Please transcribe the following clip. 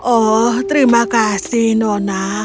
oh terima kasih nona